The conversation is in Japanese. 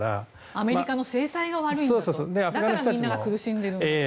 アメリカの制裁が悪くてだからみんなが苦しんでいると。